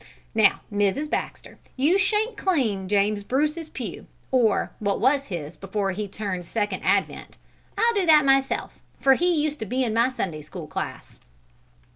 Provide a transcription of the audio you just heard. Now, Mrs. Baxter, you shan't clean James Bruce's pew, or what was his before he turned Second Advent. I'll do that myself, for he used to be in my Sunday school class."